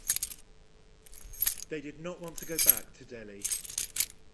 They did not want to go back to Delhi.